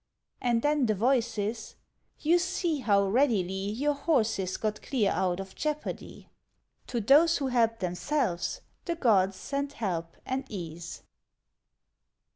And then the voices "You see how readily Your horses got clear out of jeopardy." To those who help themselves the gods send help and ease.